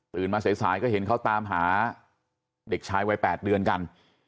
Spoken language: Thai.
มาสายก็เห็นเขาตามหาเด็กชายวัย๘เดือนกัน